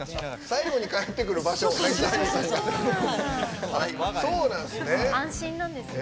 最後に帰ってくる場所が渚ハニーさんなんですね。